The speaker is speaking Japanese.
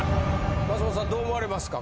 松本さんどう思われますか？